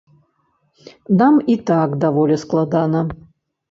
Нам і так даволі складана.